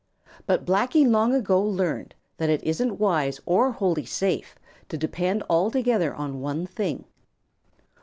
But Blacky long ago learned that it isn't wise or wholly safe to depend altogether on one thing.